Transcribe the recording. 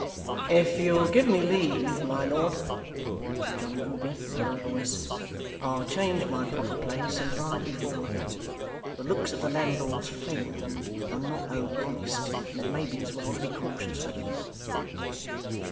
'If you'll give me leave, my lord,' said John Grueby, in a low voice, 'I'll change my proper place, and ride before you. The looks of the landlord's friend are not over honest, and it may be as well to be cautious with him.